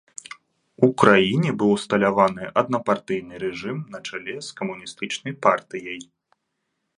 У краіне быў усталяваны аднапартыйны рэжым на чале з камуністычнай партыяй.